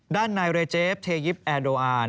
ด้านนายเรเจฟเทยิปแอร์โดอาร์